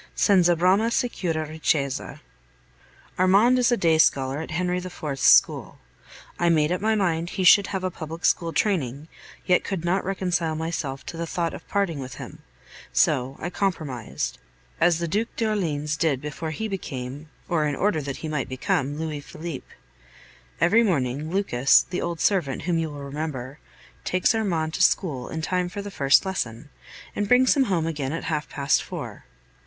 Senza brama sicura ricchezza. Armand is a day scholar at Henry IV.'s school. I made up my mind he should have a public school training, yet could not reconcile myself to the thought of parting with him; so I compromised, as the Duc d'Orleans did before he became or in order that he might become Louis Philippe. Every morning Lucas, the old servant whom you will remember, takes Armand to school in time for the first lesson, and brings him home again at half past four.